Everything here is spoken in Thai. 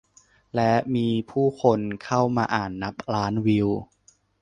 และมีผู้คนเข้ามาอ่านนับล้านวิว